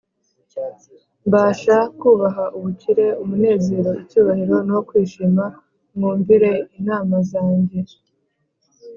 . Mbasha kubaha ubukire, umunezero, icyubahiro, no kwishima. Mwumvire inama zange.